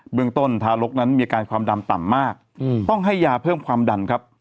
เมืองต้นทารกนั้นมีอาการความดันต่ำมากต้องให้ยาเพิ่มความดันครับ